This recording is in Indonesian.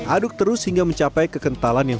aduk terus hingga mencapai kue keranjang